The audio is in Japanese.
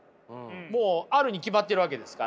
もうあるに決まってるわけですから。